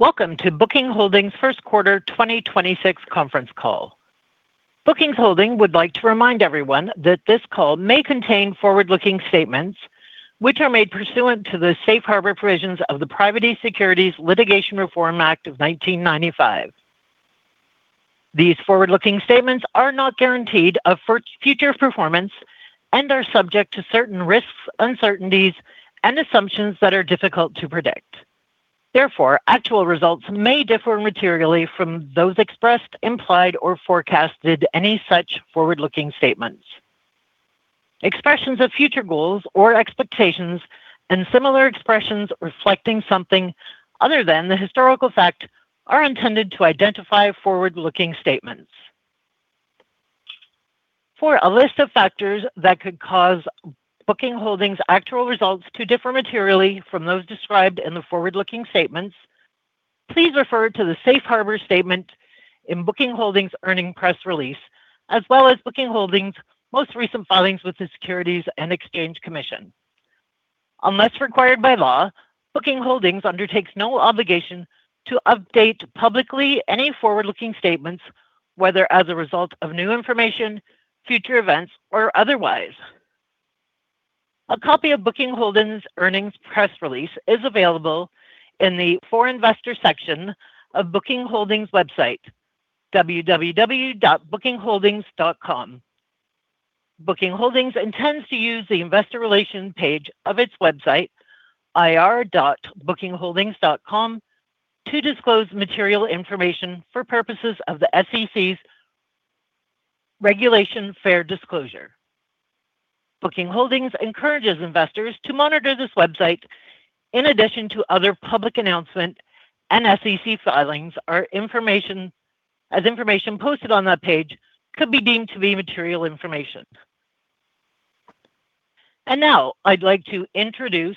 Welcome to Booking Holdings' first quarter 2026 conference call. Booking Holdings would like to remind everyone that this call may contain forward-looking statements, which are made pursuant to the safe harbor provisions of the Private Securities Litigation Reform Act of 1995. These forward-looking statements are not guaranteed of future performance and are subject to certain risks, uncertainties, and assumptions that are difficult to predict. Actual results may differ materially from those expressed, implied, or forecasted any such forward-looking statements. Expressions of future goals or expectations and similar expressions reflecting something other than the historical fact are intended to identify forward-looking statements. For a list of factors that could cause Booking Holdings' actual results to differ materially from those described in the forward-looking statements, please refer to the Safe Harbor statement in Booking Holdings' earnings press release, as well as Booking Holdings' most recent filings with the Securities and Exchange Commission. Unless required by law, Booking Holdings undertakes no obligation to update publicly any forward-looking statements, whether as a result of new information, future events, or otherwise. A copy of Booking Holdings' earnings press release is available in the For Investors section of Booking Holdings' website, www.bookingholdings.com. Booking Holdings intends to use the investor relation page of its website, ir.bookingholdings.com, to disclose material information for purposes of the SEC's Regulation Fair Disclosure. Booking Holdings encourages investors to monitor this website in addition to other public announcement and SEC filings, as information posted on that page could be deemed to be material information. Now I'd like to introduce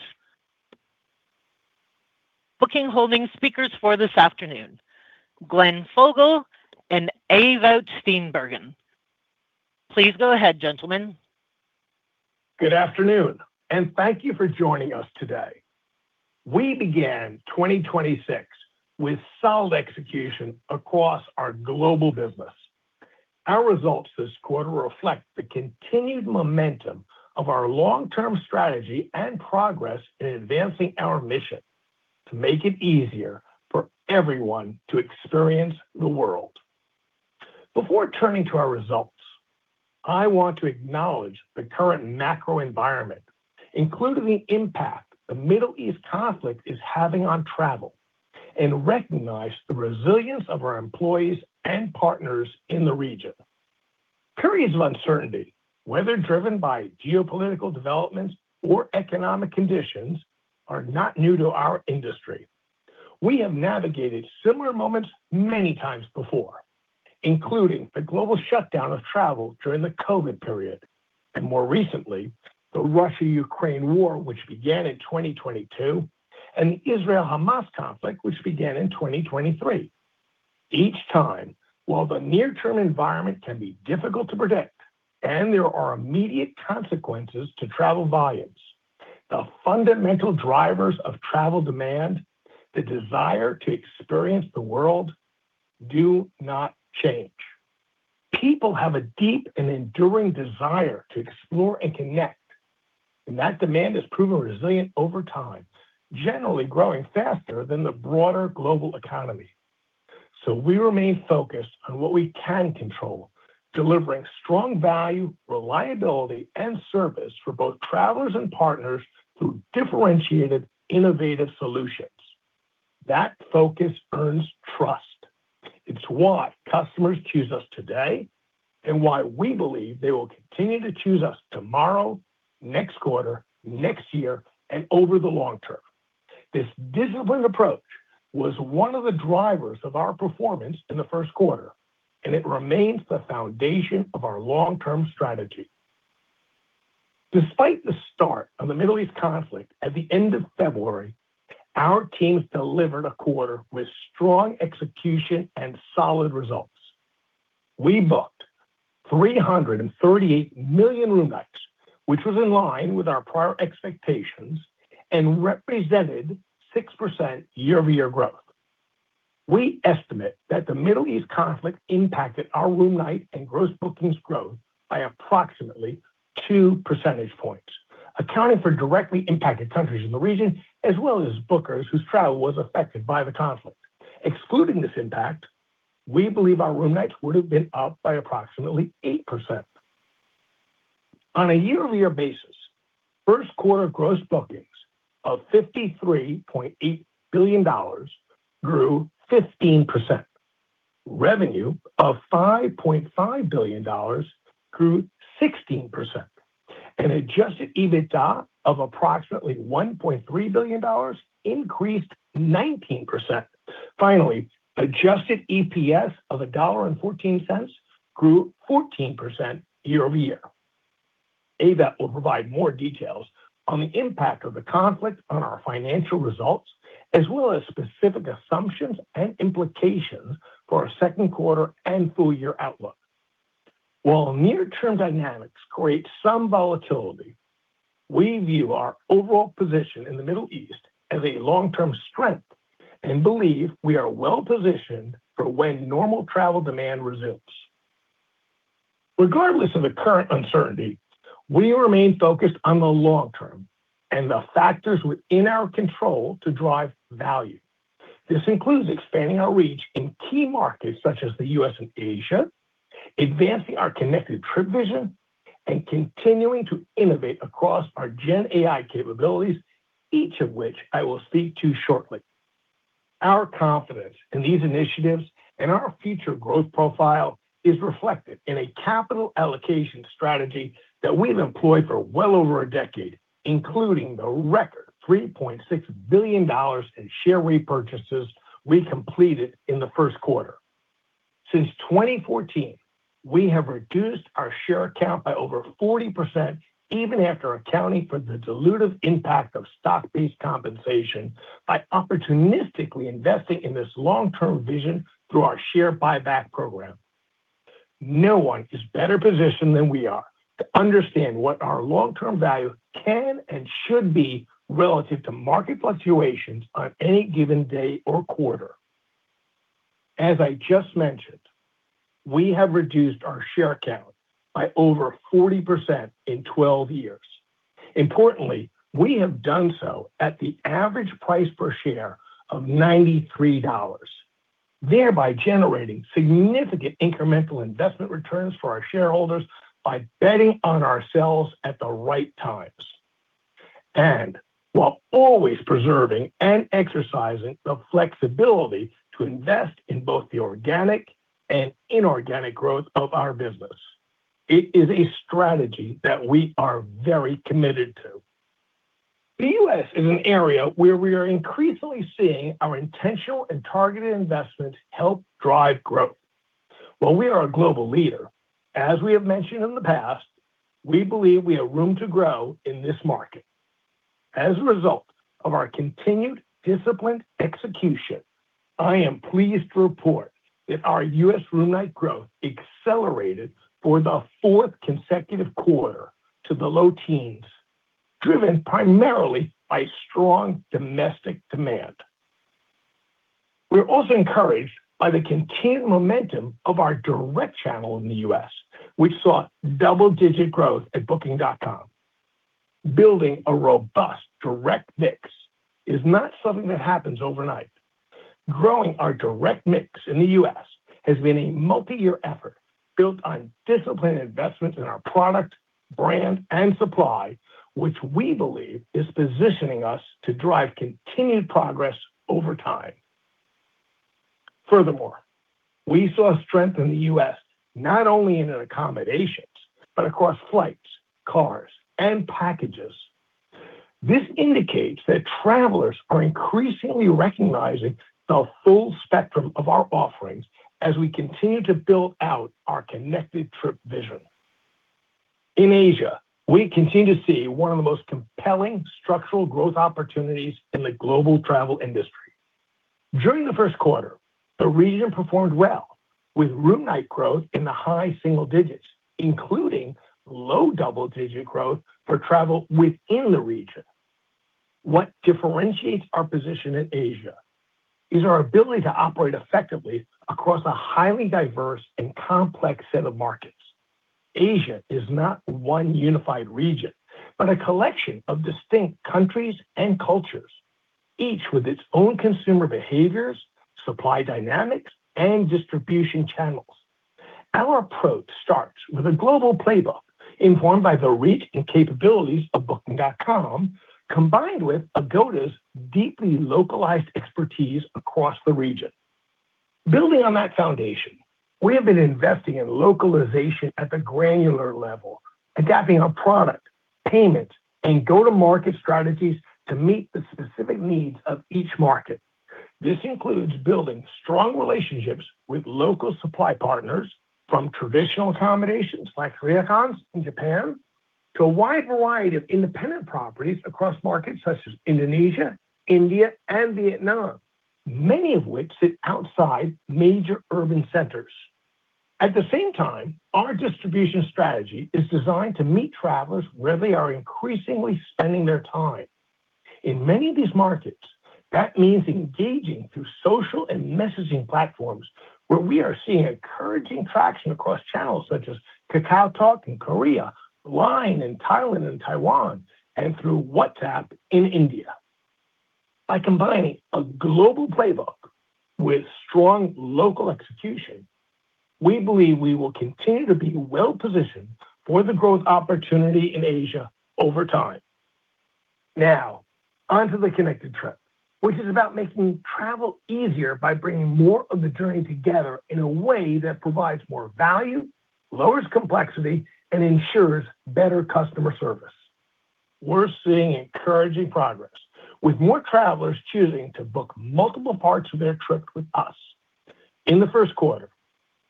Booking Holdings speakers for this afternoon, Glenn Fogel and Ewout Steenbergen. Please go ahead, gentlemen. Good afternoon and thank you for joining us today. We began 2026 with solid execution across our global business. Our results this quarter reflect the continued momentum of our long-term strategy and progress in advancing our mission to make it easier for everyone to experience the world. Before turning to our results, I want to acknowledge the current macro environment, including the impact the Middle East conflict is having on travel, and recognize the resilience of our employees and partners in the region. Periods of uncertainty, whether driven by geopolitical developments or economic conditions, are not new to our industry. We have navigated similar moments many times before, including the global shutdown of travel during the COVID period, and more recently, the Russia-Ukraine war, which began in 2022, and the Israel-Hamas conflict, which began in 2023. Each time, while the near-term environment can be difficult to predict, and there are immediate consequences to travel volumes, the fundamental drivers of travel demand, the desire to experience the world, do not change. People have a deep and enduring desire to explore and connect, and that demand has proven resilient over time, generally growing faster than the broader global economy. We remain focused on what we can control, delivering strong value, reliability, and service for both travelers and partners through differentiated, innovative solutions. That focus earns trust. It's why customers choose us today and why we believe they will continue to choose us tomorrow, next quarter, next year, and over the long term. This disciplined approach was one of the drivers of our performance in the first quarter, and it remains the foundation of our long-term strategy. Despite the start of the Middle East conflict at the end of February, our teams delivered a quarter with strong execution and solid results. We booked 338 million room nights, which was in line with our prior expectations and represented 6% year-over-year growth. We estimate that the Middle East conflict impacted our room night and gross bookings growth by approximately 2 percentage points, accounting for directly impacted countries in the region, as well as bookers whose travel was affected by the conflict. Excluding this impact, we believe our room nights would have been up by approximately 8%. On a year-over-year basis, first quarter gross bookings of $53.8 billion grew 15%. Revenue of $5.5 billion grew 16%. Adjusted EBITDA of approximately $1.3 billion increased 19%. Finally, adjusted EPS of $1.14 grew 14% year-over-year. Ewout will provide more details on the impact of the conflict on our financial results, as well as specific assumptions and implications for our second quarter and full year outlook. While near-term dynamics create some volatility, we view our overall position in the Middle East as a long-term strength and believe we are well-positioned for when normal travel demand resumes. Regardless of the current uncertainty, we remain focused on the long term and the factors within our control to drive value. This includes expanding our reach in key markets such as the U.S. and Asia, advancing our Connected Trip vision, and continuing to innovate across our GenAI capabilities, each of which I will speak to shortly. Our confidence in these initiatives and our future growth profile is reflected in a capital allocation strategy that we've employed for well over a decade, including the record $3.6 billion in share repurchases we completed in the first quarter. Since 2014, we have reduced our share count by over 40%, even after accounting for the dilutive impact of stock-based compensation by opportunistically investing in this long-term vision through our share buyback program. No one is better positioned than we are to understand what our long-term value can and should be relative to market fluctuations on any given day or quarter. As I just mentioned, we have reduced our share count by over 40% in 12 years. Importantly, we have done so at the average price per share of $93, thereby generating significant incremental investment returns for our shareholders by betting on ourselves at the right times. While always preserving and exercising the flexibility to invest in both the organic and inorganic growth of our business. It is a strategy that we are very committed to. The U.S. is an area where we are increasingly seeing our intentional and targeted investments help drive growth. While we are a global leader, as we have mentioned in the past, we believe we have room to grow in this market. As a result of our continued disciplined execution, I am pleased to report that our U.S. room night growth accelerated for the fourth consecutive quarter to the low teens, driven primarily by strong domestic demand. We're also encouraged by the continued momentum of our direct channel in the U.S., which saw double-digit growth at Booking.com. Building a robust direct mix is not something that happens overnight. Growing our direct mix in the U.S. has been a multi-year effort built on disciplined investments in our product, brand, and supply, which we believe is positioning us to drive continued progress over time. Furthermore, we saw strength in the U.S. not only in accommodations, but across flights, cars, and packages. This indicates that travelers are increasingly recognizing the full spectrum of our offerings as we continue to build out our Connected Trip vision. In Asia, we continue to see one of the most compelling structural growth opportunities in the global travel industry. During the first quarter, the region performed well with room night growth in the high single-digits, including low double-digit growth for travel within the region. What differentiates our position in Asia is our ability to operate effectively across a highly diverse and complex set of markets. Asia is not one unified region, but a collection of distinct countries and cultures, each with its own consumer behaviors, supply dynamics, and distribution channels. Our approach starts with a global playbook informed by the reach and capabilities of Booking.com, combined with Agoda's deeply localized expertise across the region. Building on that foundation, we have been investing in localization at the granular level, adapting our product, payments, and go-to-market strategies to meet the specific needs of each market. This includes building strong relationships with local supply partners from traditional accommodations like ryokans in Japan to a wide variety of independent properties across markets such as Indonesia, India, and Vietnam, many of which sit outside major urban centers. At the same time, our distribution strategy is designed to meet travelers where they are increasingly spending their time. In many of these markets, that means engaging through social and messaging platforms where we are seeing encouraging traction across channels such as KakaoTalk in Korea, LINE in Thailand and Taiwan, and through WhatsApp in India. By combining a global playbook with strong local execution, we believe we will continue to be well-positioned for the growth opportunity in Asia over time. Now, on to the Connected Trip, which is about making travel easier by bringing more of the journey together in a way that provides more value, lowers complexity, and ensures better customer service. We're seeing encouraging progress with more travelers choosing to book multiple parts of their trip with us. In the first quarter,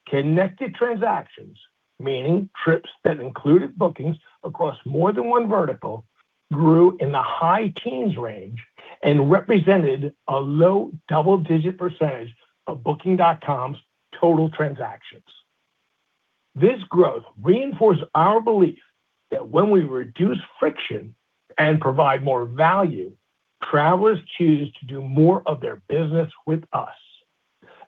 connected transactions, meaning trips that included bookings across more than one vertical grew in the high-teens range and represented a low double-digit percentage of Booking.com's total transactions. This growth reinforced our belief that when we reduce friction and provide more value, travelers choose to do more of their business with us.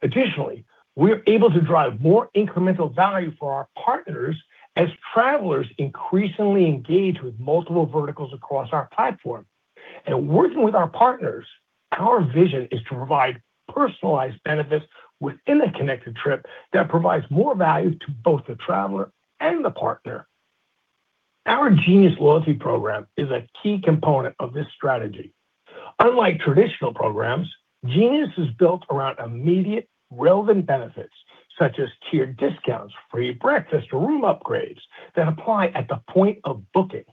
Additionally, we're able to drive more incremental value for our partners as travelers increasingly engage with multiple verticals across our platform. Working with our partners, our vision is to provide personalized benefits within a Connected Trip that provides more value to both the traveler and the partner. Our Genius loyalty program is a key component of this strategy. Unlike traditional programs, Genius is built around immediate relevant benefits such as tiered discounts, free breakfast, room upgrades that apply at the point of booking.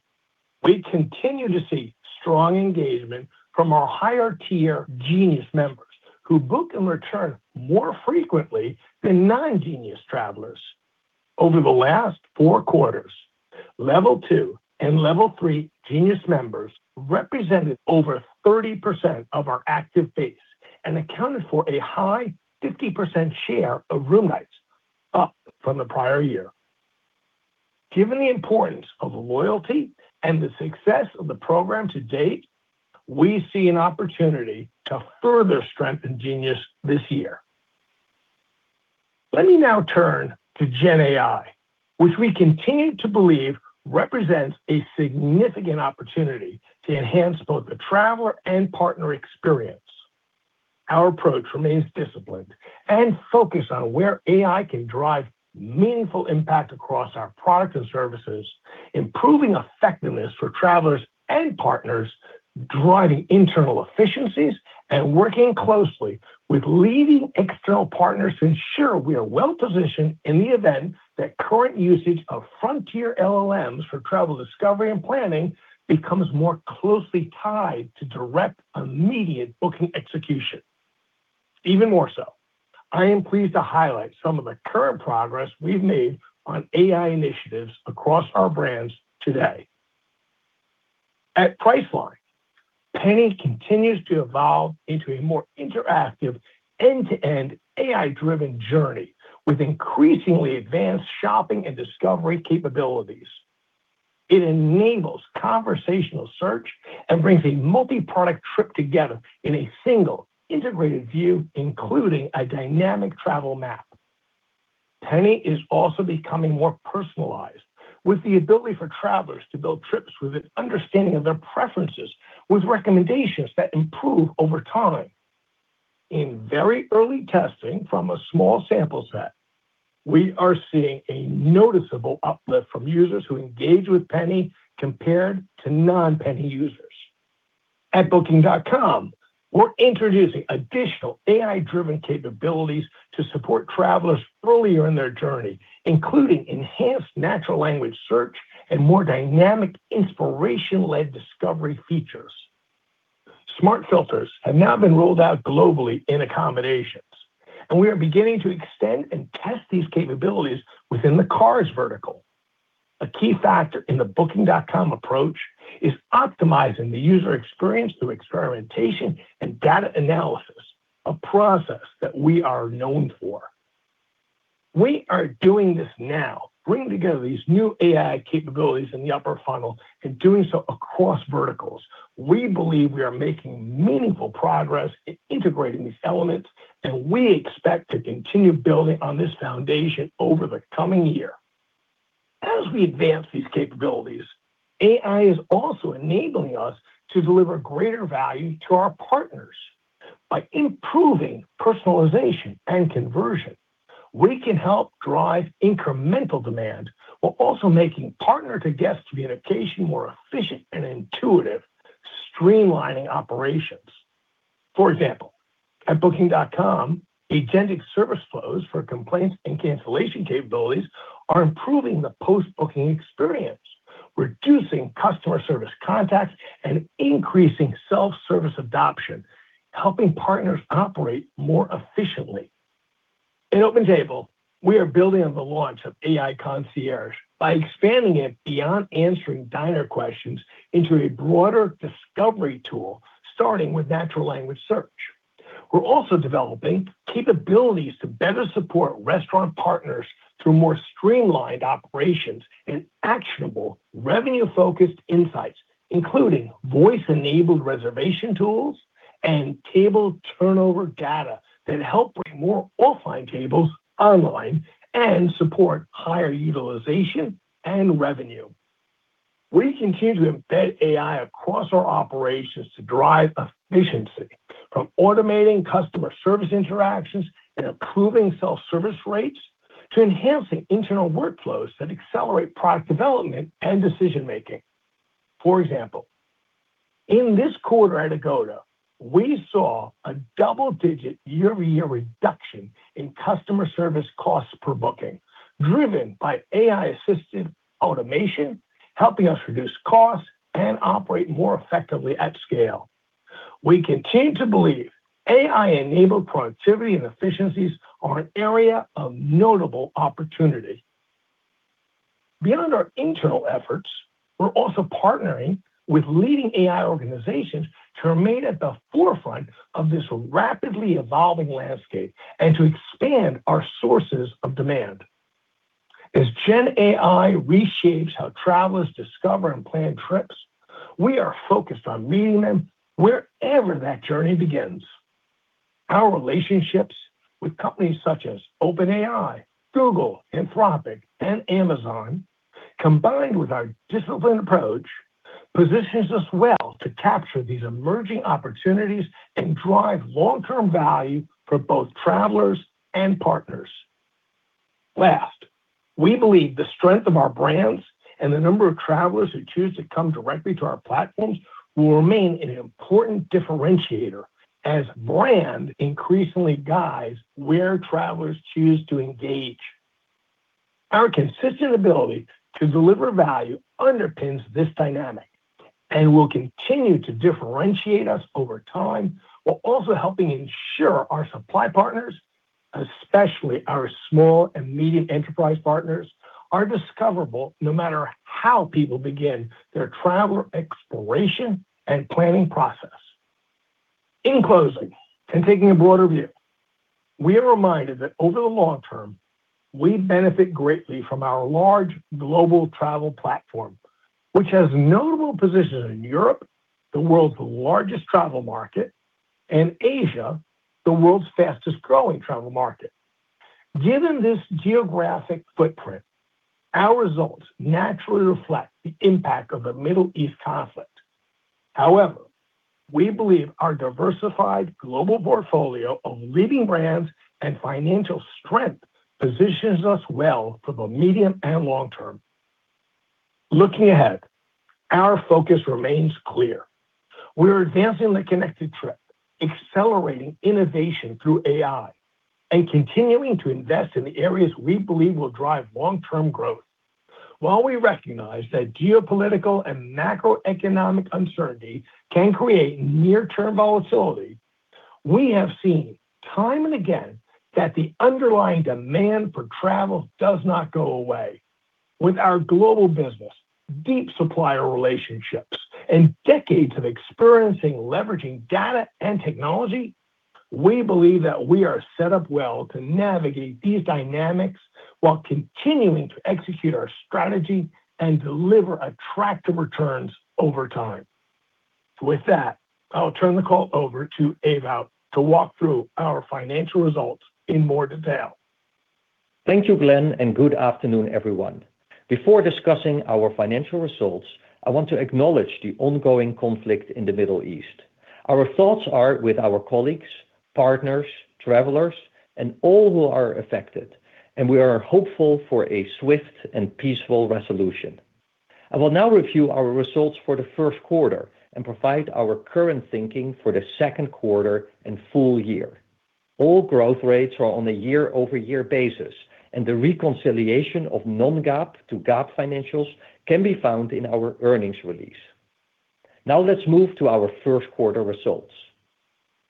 We continue to see strong engagement from our higher tier Genius members who book and return more frequently than non-Genius travelers. Over the last four quarters, Level 2 and Level 3 Genius members represented over 30% of our active base and accounted for a high 50% share of room nights, up from the prior year. Given the importance of loyalty and the success of the program to date, we see an opportunity to further strengthen Genius this year. Let me now turn to GenAI, which we continue to believe represents a significant opportunity to enhance both the traveler and partner experience. Our approach remains disciplined and focused on where AI can drive meaningful impact across our products and services, improving effectiveness for travelers and partners, driving internal efficiencies, and working closely with leading external partners to ensure we are well-positioned in the event that current usage of frontier LLMs for travel discovery and planning becomes more closely tied to direct, immediate booking execution. Even more so, I am pleased to highlight some of the current progress we've made on AI initiatives across our brands today. At Priceline, Penny continues to evolve into a more interactive end-to-end AI-driven journey with increasingly advanced shopping and discovery capabilities. It enables conversational search and brings a multi-product trip together in a single integrated view, including a dynamic travel map. Penny is also becoming more personalized, with the ability for travelers to build trips with an understanding of their preferences, with recommendations that improve over time. In very early testing from a small sample set, we are seeing a noticeable uplift from users who engage with Penny compared to non-Penny users. At Booking.com, we're introducing additional AI-driven capabilities to support travelers earlier in their journey, including enhanced natural language search and more dynamic inspiration-led discovery features. Smart filters have now been rolled out globally in accommodations, and we are beginning to extend and test these capabilities within the cars vertical. A key factor in the Booking.com approach is optimizing the user experience through experimentation and data analysis, a process that we are known for. We are doing this now, bringing together these new AI capabilities in the upper funnel and doing so across verticals. We believe we are making meaningful progress in integrating these elements, and we expect to continue building on this foundation over the coming year. As we advance these capabilities, AI is also enabling us to deliver greater value to our partners. By improving personalization and conversion, we can help drive incremental demand while also making partner-to-guest communication more efficient and intuitive, streamlining operations. For example, at Booking.com, agentic service flows for complaints and cancellation capabilities are improving the post-booking experience, reducing customer service contacts, and increasing self-service adoption, helping partners operate more efficiently. In OpenTable, we are building on the launch of AI Concierge by expanding it beyond answering diner questions into a broader discovery tool, starting with natural language search. We're also developing capabilities to better support restaurant partners through more streamlined operations and actionable revenue-focused insights, including voice-enabled reservation tools and table turnover data that help bring more offline tables online and support higher utilization and revenue. We continue to embed AI across our operations to drive efficiency, from automating customer service interactions and improving self-service rates to enhancing internal workflows that accelerate product development and decision-making. For example, in this quarter at Agoda, we saw a double-digit year-over-year reduction in customer service costs per booking, driven by AI-assisted automation, helping us reduce costs and operate more effectively at scale. We continue to believe AI-enabled productivity and efficiencies are an area of notable opportunity. Beyond our internal efforts, we're also partnering with leading AI organizations to remain at the forefront of this rapidly evolving landscape and to expand our sources of demand. As GenAI reshapes how travelers discover and plan trips, we are focused on meeting them wherever that journey begins. Our relationships with companies such as OpenAI, Google, Anthropic, and Amazon, combined with our disciplined approach, positions us well to capture these emerging opportunities and drive long-term value for both travelers and partners. We believe the strength of our brands and the number of travelers who choose to come directly to our platforms will remain an important differentiator as brand increasingly guides where travelers choose to engage. Our consistent ability to deliver value underpins this dynamic and will continue to differentiate us over time, while also helping ensure our supply partners, especially our small and medium enterprise partners, are discoverable no matter how people begin their travel exploration and planning process. In closing, taking a broader view, we are reminded that over the long term, we benefit greatly from our large global travel platform, which has notable positions in Europe, the world's largest travel market, and Asia, the world's fastest-growing travel market. Given this geographic footprint, our results naturally reflect the impact of the Middle East conflict. We believe our diversified global portfolio of leading brands and financial strength positions us well for the medium and long term. Looking ahead, our focus remains clear. We're advancing the Connected Trip, accelerating innovation through AI, and continuing to invest in the areas we believe will drive long-term growth. We recognize that geopolitical and macroeconomic uncertainty can create near-term volatility, we have seen time and again that the underlying demand for travel does not go away. With our global business, deep supplier relationships, and decades of experience leveraging data and technology, we believe that we are set up well to navigate these dynamics while continuing to execute our strategy and deliver attractive returns over time. With that, I'll turn the call over to Ewout to walk through our financial results in more detail. Thank you, Glenn, and good afternoon, everyone. Before discussing our financial results, I want to acknowledge the ongoing conflict in the Middle East. Our thoughts are with our colleagues, partners, travelers, and all who are affected, and we are hopeful for a swift and peaceful resolution. I will now review our results for the first quarter and provide our current thinking for the second quarter and full year. All growth rates are on a year-over-year basis, and the reconciliation of non-GAAP to GAAP financials can be found in our earnings release. Now let's move to our first quarter results.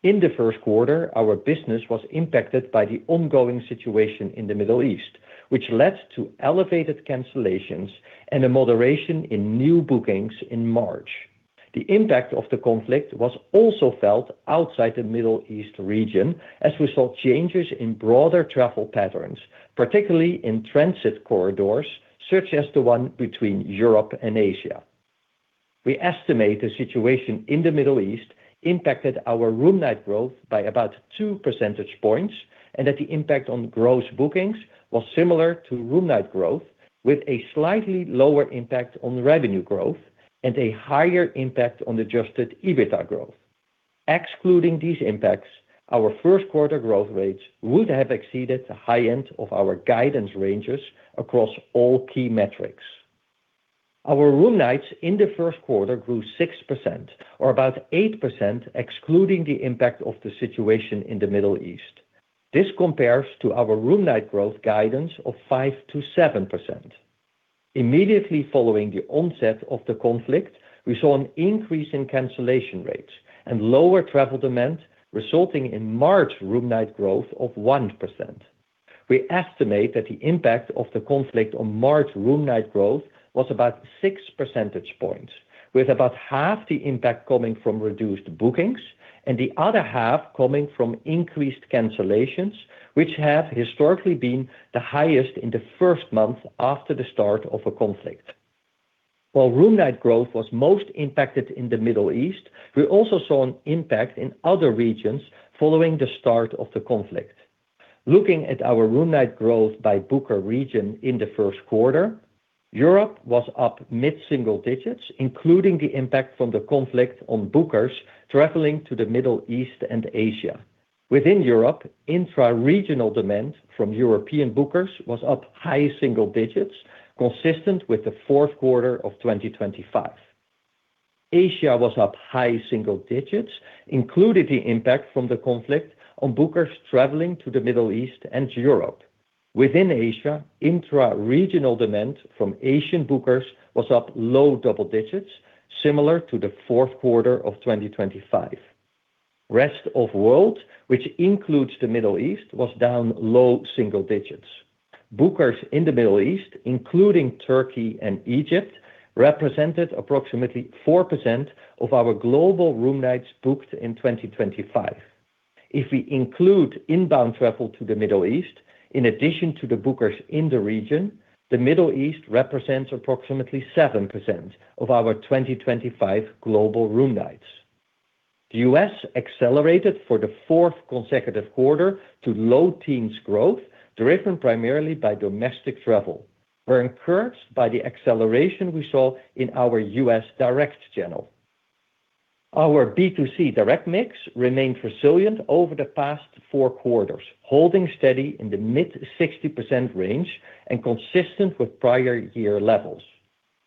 In the first quarter, our business was impacted by the ongoing situation in the Middle East, which led to elevated cancellations and a moderation in new bookings in March. The impact of the conflict was also felt outside the Middle East region as we saw changes in broader travel patterns, particularly in transit corridors such as the one between Europe and Asia. We estimate the situation in the Middle East impacted our room night growth by about 2 percentage points and that the impact on gross bookings was similar to room night growth with a slightly lower impact on revenue growth and a higher impact on adjusted EBITDA growth. Excluding these impacts, our first quarter growth rates would have exceeded the high end of our guidance ranges across all key metrics. Our room nights in the first quarter grew 6%, or about 8% excluding the impact of the situation in the Middle East. This compares to our room night growth guidance of 5%-7%. Immediately following the onset of the conflict, we saw an increase in cancellation rates and lower travel demand resulting in March room night growth of 1%. We estimate that the impact of the conflict on March room night growth was about 6 percentage points, with about half the impact coming from reduced bookings and the other half coming from increased cancellations, which have historically been the highest in the first month after the start of a conflict. While room night growth was most impacted in the Middle East, we also saw an impact in other regions following the start of the conflict. Looking at our room night growth by booker region in the first quarter, Europe was up mid-single digits, including the impact from the conflict on bookers traveling to the Middle East and Asia. Within Europe, intra-regional demand from European bookers was up high single-digits, consistent with the fourth quarter of 2025. Asia was up high single-digits, including the impact from the conflict on bookers traveling to the Middle East and Europe. Within Asia, intra-regional demand from Asian bookers was up low double digits, similar to the fourth quarter of 2025. Rest of World, which includes the Middle East, was down low single-digits. Bookers in the Middle East, including Turkey and Egypt, represented approximately 4% of our global room nights booked in 2025. If we include inbound travel to the Middle East, in addition to the bookers in the region, the Middle East represents approximately 7% of our 2025 global room nights. The U.S. accelerated for the fourth consecutive quarter to low teens growth, driven primarily by domestic travel. We're encouraged by the acceleration we saw in our U.S. direct channel. Our B2C direct mix remained resilient over the past four quarters, holding steady in the mid-60% range and consistent with prior year levels.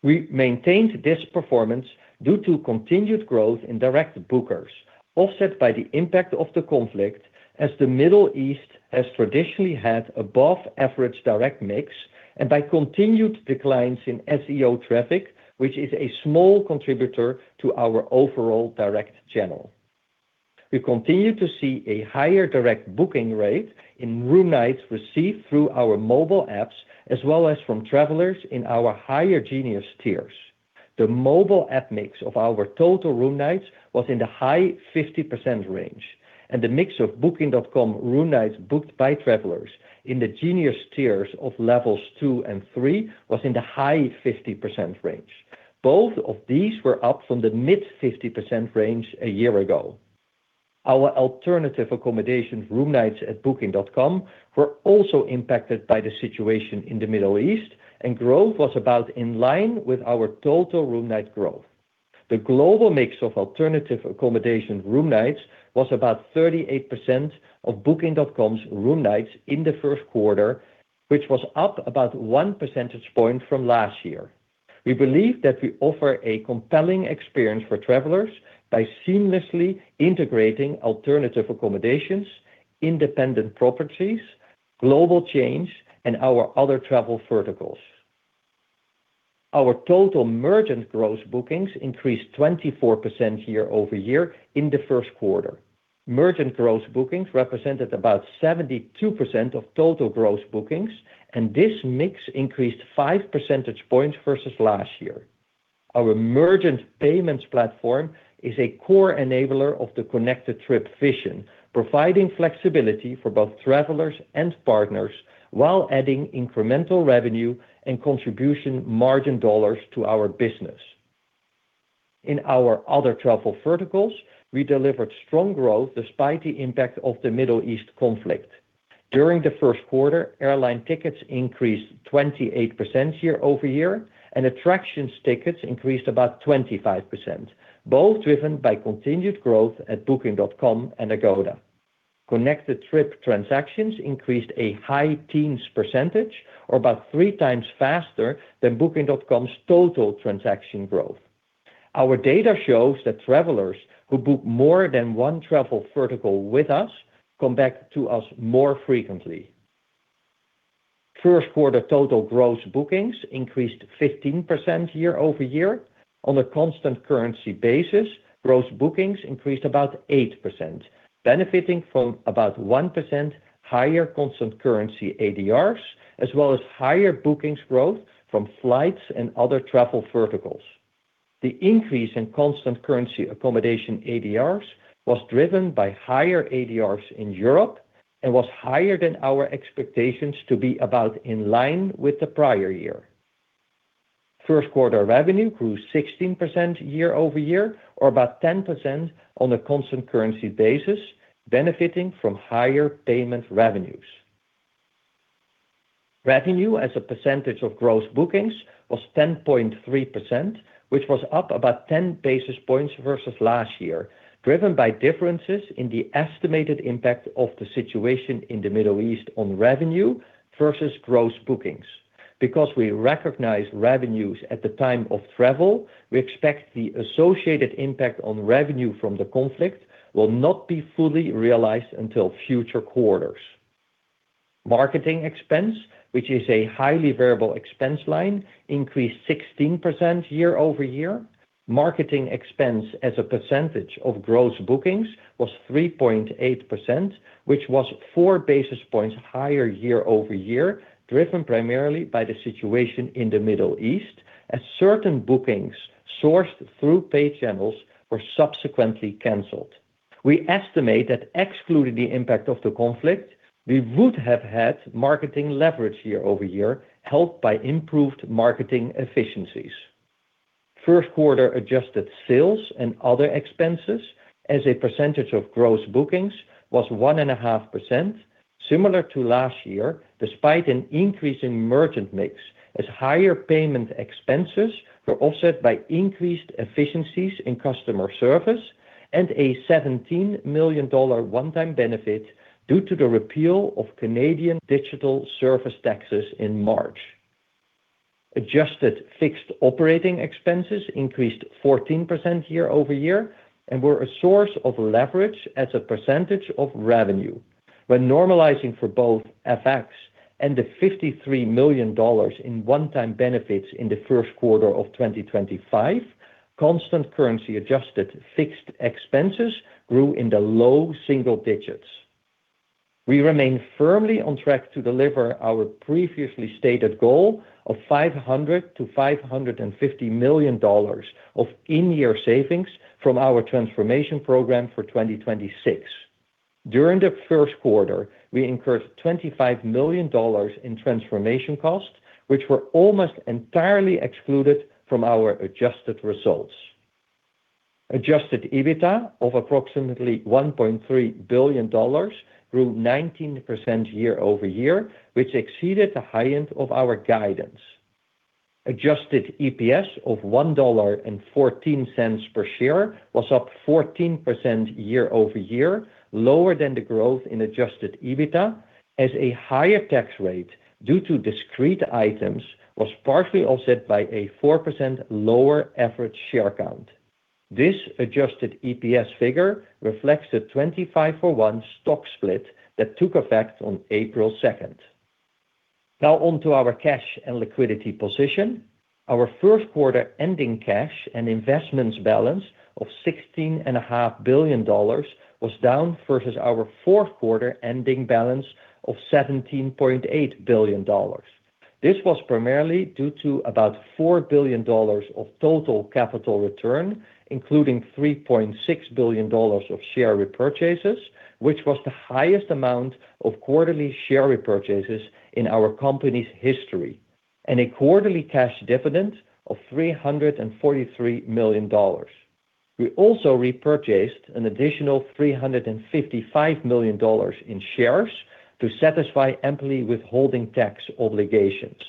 We maintained this performance due to continued growth in direct bookers, offset by the impact of the conflict as the Middle East has traditionally had above-average direct mix and by continued declines in SEO traffic, which is a small contributor to our overall direct channel. We continue to see a higher direct booking rate in room nights received through our mobile apps as well as from travelers in our higher Genius tiers. The mobile app mix of our total room nights was in the high 50% range, and the mix of Booking.com room nights booked by travelers in the Genius tiers of levels two and three was in the high 50% range. Both of these were up from the mid-50% range a year ago. Our alternative accommodation room nights at Booking.com were also impacted by the situation in the Middle East, and growth was about in line with our total room night growth. The global mix of alternative accommodation room nights was about 38% of Booking.com's room nights in the first quarter, which was up about 1 percentage point from last year. We believe that we offer a compelling experience for travelers by seamlessly integrating alternative accommodations, independent properties, global chains, and our other travel verticals. Our total merchant gross bookings increased 24% year-over-year in the first quarter. Merchant gross bookings represented about 72% of total gross bookings, and this mix increased 5 percentage points versus last year. Our merchant payments platform is a core enabler of the Connected Trip vision, providing flexibility for both travelers and partners while adding incremental revenue and contribution margin dollars to our business. In our other travel verticals, we delivered strong growth despite the impact of the Middle East conflict. During the first quarter, airline tickets increased 28% year-over-year, and attractions tickets increased about 25%, both driven by continued growth at Booking.com and Agoda. Connected Trip transactions increased a high teens percentage or about three times faster than Booking.com's total transaction growth. Our data shows that travelers who book more than one travel vertical with us come back to us more frequently. First quarter total gross bookings increased 15% year-over-year. On a constant currency basis, gross bookings increased about 8%, benefiting from about 1% higher constant currency ADRs as well as higher bookings growth from flights and other travel verticals. The increase in constant currency accommodation ADRs was driven by higher ADRs in Europe and was higher than our expectations to be about in line with the prior year. First quarter revenue grew 16% year-over-year or about 10% on a constant currency basis, benefiting from higher payment revenues. Revenue as a percentage of gross bookings was 10.3%, which was up about 10 basis points versus last year, driven by differences in the estimated impact of the situation in the Middle East on revenue versus gross bookings. Because we recognize revenues at the time of travel, we expect the associated impact on revenue from the conflict will not be fully realized until future quarters. Marketing expense, which is a highly variable expense line, increased 16% year-over-year. Marketing expense as a percentage of gross bookings was 3.8%, which was 4 basis points higher year-over-year, driven primarily by the situation in the Middle East as certain bookings sourced through paid channels were subsequently canceled. We estimate that excluding the impact of the conflict, we would have had marketing leverage year-over-year, helped by improved marketing efficiencies. First quarter adjusted sales and other expenses as a percentage of gross bookings was 1.5%, similar to last year, despite an increase in merchant mix as higher payment expenses were offset by increased efficiencies in customer service and a $17 million one-time benefit due to the repeal of Canadian Digital Services Tax in March. Adjusted fixed operating expenses increased 14% year-over-year and were a source of leverage as a percentage of revenue. When normalizing for both FX and the $53 million in one-time benefits in the first quarter of 2025, constant currency adjusted fixed expenses grew in the low single-digits. We remain firmly on track to deliver our previously stated goal of $500 million-$550 million of in-year savings from our transformation program for 2026. During the first quarter, we incurred $25 million in transformation costs, which were almost entirely excluded from our adjusted results. Adjusted EBITDA of approximately $1.3 billion grew 19% year-over-year, which exceeded the high end of our guidance. Adjusted EPS of $1.14 per share was up 14% year-over-year, lower than the growth in adjusted EBITDA, as a higher tax rate due to discrete items was partially offset by a 4% lower average share count. This adjusted EPS figure reflects the 25-for-1 stock split that took effect on April 2nd. Now on to our cash and liquidity position. Our first quarter ending cash and investments balance of $16.5 billion was down versus our fourth quarter ending balance of $17.8 billion. This was primarily due to about $4 billion of total capital return, including $3.6 billion of share repurchases, which was the highest amount of quarterly share repurchases in our company's history, and a quarterly cash dividend of $343 million. We also repurchased an additional $355 million in shares to satisfy employee withholding tax obligations.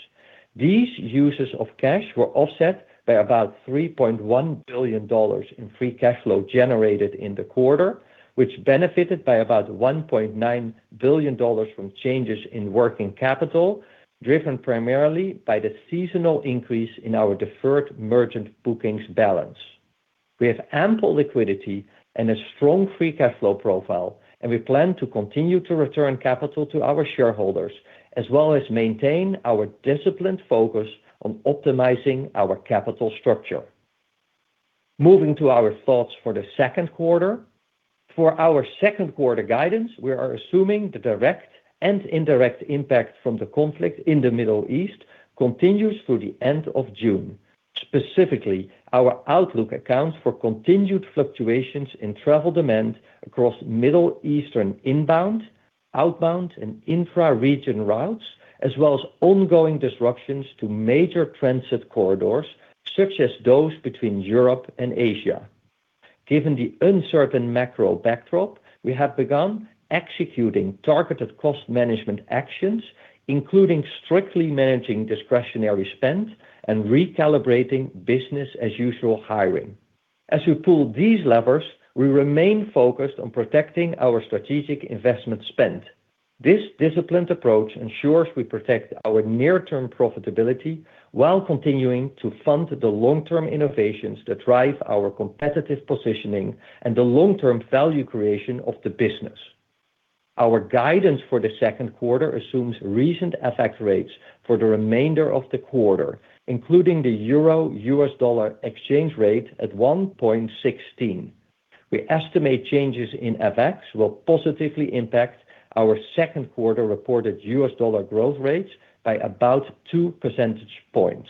These uses of cash were offset by about $3.1 billion in free cash flow generated in the quarter, which benefited by about $1.9 billion from changes in working capital, driven primarily by the seasonal increase in our deferred merchant bookings balance. We have ample liquidity and a strong free cash flow profile, and we plan to continue to return capital to our shareholders, as well as maintain our disciplined focus on optimizing our capital structure. Moving to our thoughts for the second quarter. For our second quarter guidance, we are assuming the direct and indirect impact from the conflict in the Middle East continues through the end of June. Specifically, our outlook accounts for continued fluctuations in travel demand across Middle Eastern inbound, outbound, and intra-region routes, as well as ongoing disruptions to major transit corridors, such as those between Europe and Asia. Given the uncertain macro backdrop, we have begun executing targeted cost management actions, including strictly managing discretionary spend and recalibrating business-as-usual hiring. As we pull these levers, we remain focused on protecting our strategic investment spend. This disciplined approach ensures we protect our near-term profitability while continuing to fund the long-term innovations that drive our competitive positioning and the long-term value creation of the business. Our guidance for the second quarter assumes recent FX rates for the remainder of the quarter, including the euro-U.S. dollar exchange rate at 1.16. We estimate changes in FX will positively impact our second quarter reported U.S. dollar growth rates by about 2 percentage points.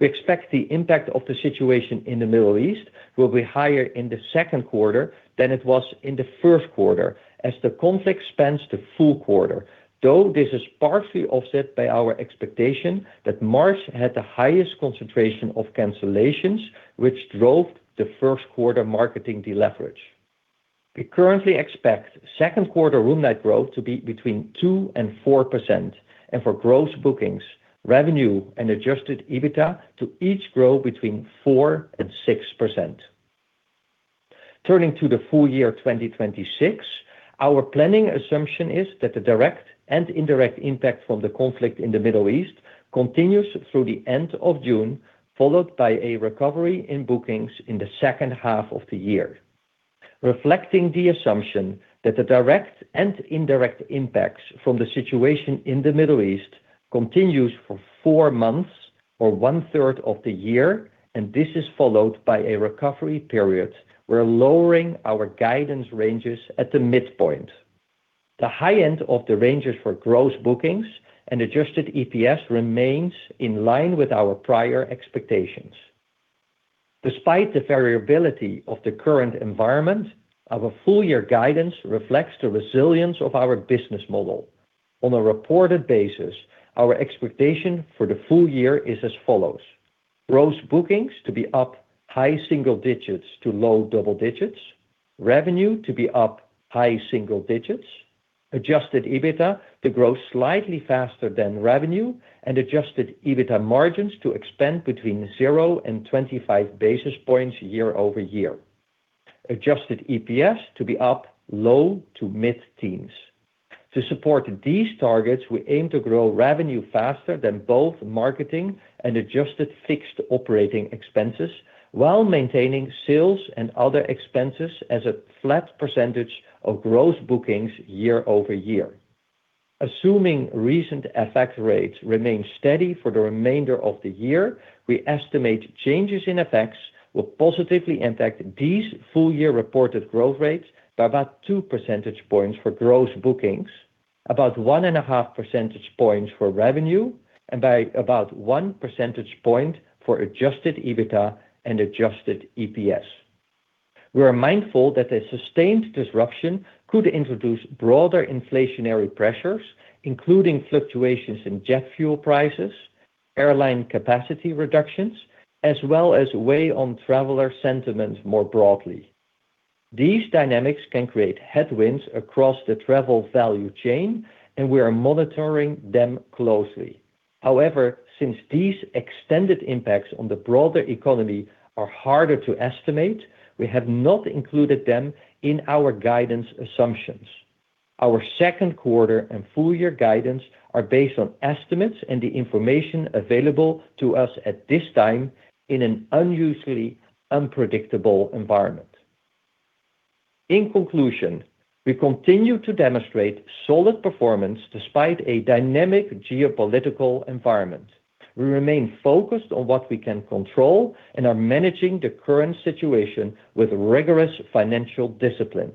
We expect the impact of the situation in the Middle East will be higher in the second quarter than it was in the first quarter as the conflict spans the full quarter, though this is partially offset by our expectation that March had the highest concentration of cancellations, which drove the first quarter marketing deleverage. We currently expect second quarter room night growth to be between 2% and 4% and for gross bookings, revenue, and adjusted EBITDA to each grow between 4% and 6%. Turning to the full year 2026, our planning assumption is that the direct and indirect impact from the conflict in the Middle East continues through the end of June, followed by a recovery in bookings in the second half of the year. Reflecting the assumption that the direct and indirect impacts from the situation in the Middle East continues for four months or 1/3 of the year, and this is followed by a recovery period, we're lowering our guidance ranges at the midpoint. The high end of the ranges for gross bookings and adjusted EPS remains in line with our prior expectations. Despite the variability of the current environment, our full year guidance reflects the resilience of our business model. On a reported basis, our expectation for the full year is as follows. Gross bookings to be up high single-digits to low double digits. Revenue to be up high single digits. Adjusted EBITDA to grow slightly faster than revenue, and adjusted EBITDA margins to expand between 0 and 25 basis points year-over-year. Adjusted EPS to be up low to mid-teens. To support these targets, we aim to grow revenue faster than both marketing and adjusted fixed operating expenses while maintaining sales and other expenses as a flat percentage of gross bookings year-over-year. Assuming recent FX rates remain steady for the remainder of the year, we estimate changes in FX will positively impact these full-year reported growth rates by about 2 percentage points for gross bookings, about 1.5 percentage points for revenue, and by about 1 percentage point for adjusted EBITDA and adjusted EPS. We are mindful that a sustained disruption could introduce broader inflationary pressures, including fluctuations in jet fuel prices, airline capacity reductions, as well as weigh on traveler sentiment more broadly. These dynamics can create headwinds across the travel value chain, and we are monitoring them closely. However, since these extended impacts on the broader economy are harder to estimate, we have not included them in our guidance assumptions. Our second quarter and full year guidance are based on estimates and the information available to us at this time in an unusually unpredictable environment. In conclusion, we continue to demonstrate solid performance despite a dynamic geopolitical environment. We remain focused on what we can control and are managing the current situation with rigorous financial discipline.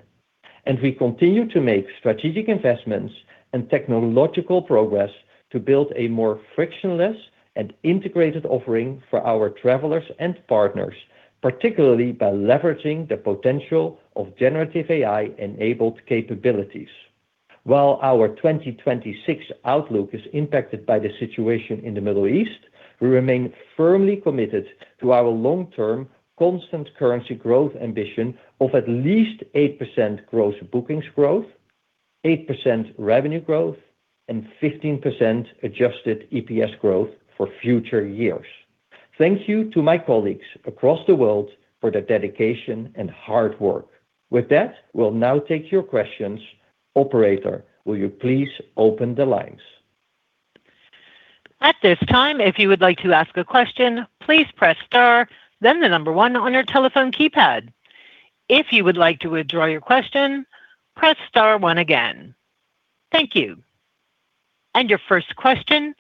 We continue to make strategic investments and technological progress to build a more frictionless and integrated offering for our travelers and partners, particularly by leveraging the potential of generative AI-enabled capabilities. While our 2026 outlook is impacted by the situation in the Middle East, we remain firmly committed to our long-term constant currency growth ambition of at least 8% gross bookings growth, 8% revenue growth, and 15% adjusted EPS growth for future years. Thank you to my colleagues across the world for their dedication and hard work. With that, we'll now take your questions. Operator, will you please open the lines? At this time, if you would like to ask a question, please press star, then the number one on your telephone keypad. I you would like to withdraw your question, press star one again. Thank you. Your first question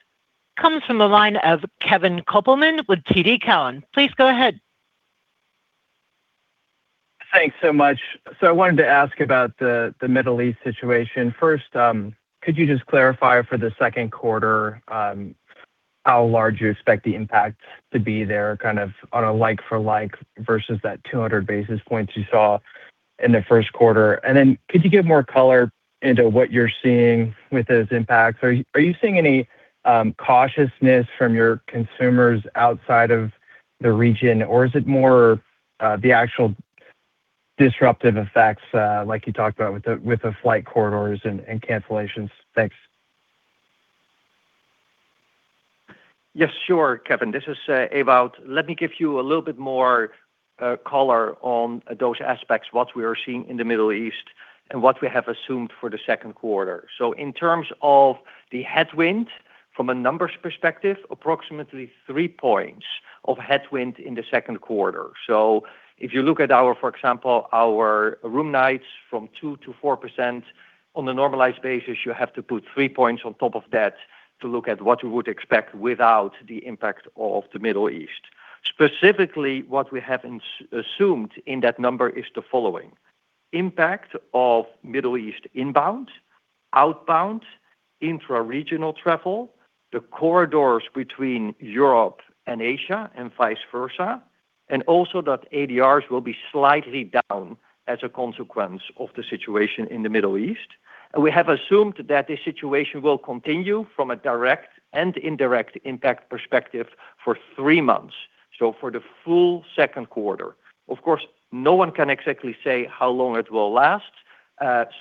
comes from the line of Kevin Kopelman with TD Cowen. Please go ahead. Thanks so much. I wanted to ask about the Middle East situation. First, could you just clarify for the second quarter, how large you expect the impact to be there, kind of on a like for like versus that 200 basis points you saw in the first quarter? Could you give more color into what you're seeing with those impacts? Are you seeing any cautiousness from your consumers outside of the region, or is it more the actual disruptive effects, like you talked about with the flight corridors and cancellations? Thanks. Yes, sure, Kevin. This is Ewout. Let me give you a little bit more color on those aspects, what we are seeing in the Middle East and what we have assumed for the second quarter. In terms of the headwind, from a numbers perspective, approximately three points of headwind in the second quarter. If you look at our, for example, our room nights from 2%-4%, on a normalized basis, you have to put three points on top of that to look at what you would expect without the impact of the Middle East. Specifically, what we have assumed in that number is the following: impact of Middle East inbound, outbound, intra-regional travel, the corridors between Europe and Asia and vice versa, and also that ADRs will be slightly down as a consequence of the situation in the Middle East. We have assumed that the situation will continue from a direct and indirect impact perspective for three months. For the full second quarter, of course, no one can exactly say how long it will last.